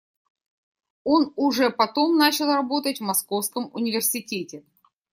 Он уже потом начал работать в Московском университете.